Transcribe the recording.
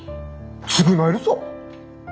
償えるさ。